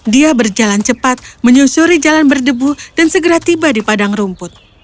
dia berjalan cepat menyusuri jalan berdebu dan segera tiba di padang rumput